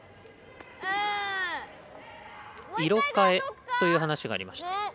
色変えという話がありました。